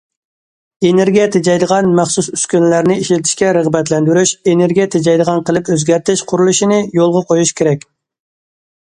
ئېنېرگىيە تېجەيدىغان مەخسۇس ئۈسكۈنىلەرنى ئىشلىتىشكە رىغبەتلەندۈرۈش، ئېنېرگىيە تېجەيدىغان قىلىپ ئۆزگەرتىش قۇرۇلۇشىنى يولغا قويۇش كېرەك.